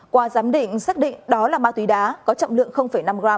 qua giám định xác định đó là ma túy đá có trọng lượng năm g